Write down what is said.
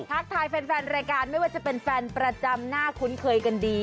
ทักทายแฟนรายการไม่ว่าจะเป็นแฟนประจำหน้าคุ้นเคยกันดี